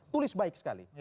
tulis baik sekali